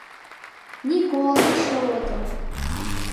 — Ни кол, ни шыл отыл.